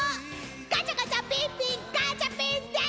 ガチャガチャピンピンガチャピンでーす！